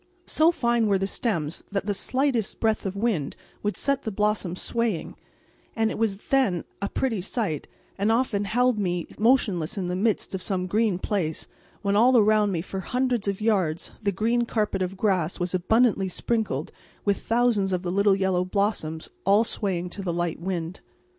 So fine were the stems that the slightest breath of wind would set the blossoms swaying, and it was then a pretty sight, and often held me motionless in the midst of some green place, when all around me for hundreds of yards the green carpet of grass was abundantly sprinkled with thousands of the little yellow blossoms all swaying to the light wind.